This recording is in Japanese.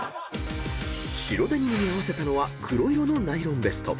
［白デニムに合わせたのは黒色のナイロンベスト］